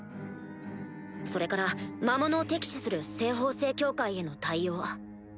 それから魔物を敵視する西方聖教会への対応。